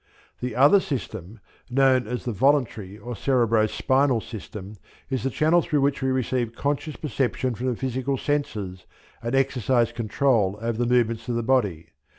The other system, known as the Voluntary or Cerebro spinal system, is the channel through which we receive conscious perception from the physical senses and exercise control over the movements of the body.